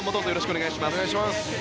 お願いします。